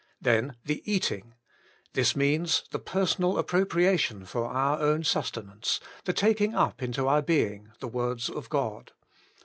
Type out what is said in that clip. Then the Eating. This means the personal appropriation for our own suste nance, the taking up into our being the words of God.